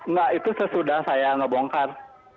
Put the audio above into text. enggak itu sesudah saya ngebongkar